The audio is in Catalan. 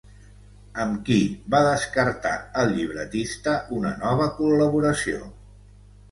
Amb qui va descartar el llibretista una nova col·laboració?